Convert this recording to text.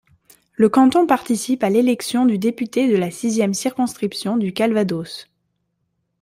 Le canton participe à l'élection du député de la sixième circonscription du Calvados.